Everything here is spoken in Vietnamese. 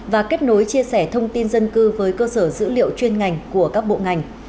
và kết nối chia sẻ thông tin dân cư với cơ sở dữ liệu chuyên ngành của các bộ ngành